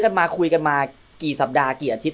แล้วช่างคนนั้นเนี่ยหมอค่าเครื่องมือ